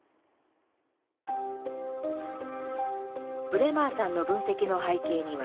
ブレマーさんの分析の背景には